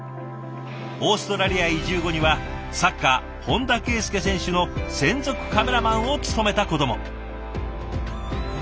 オーストラリア移住後にはサッカー本田圭佑選手の専属カメラマンを務めたことも。